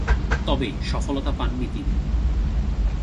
তবে, সফলতা পাননি তিনি।